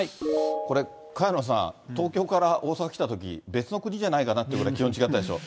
これ、萱野さん、東京から大阪来たとき、別の国じゃないかなってぐらい気温違ったでしょ？